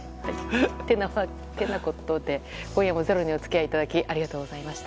ってなことで今夜も「ｚｅｒｏ」にお付き合いいただきありがとうございました。